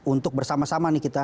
untuk bersama sama nih kita